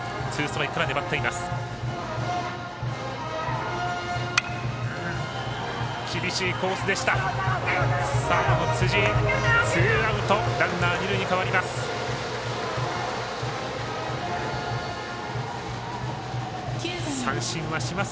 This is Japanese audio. ランナー、二塁に変わります。